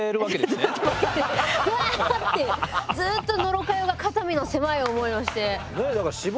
うわってずっと野呂佳代が肩身の狭い思いをして。